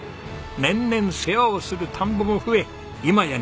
年々世話をする田んぼも増え今や２１枚！